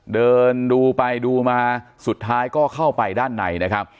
เดินดูไปดูมาสุดท้ายก็เข้าไปด้านในนะครับ